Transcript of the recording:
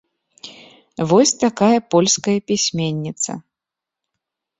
Вось такая польская пісьменніца.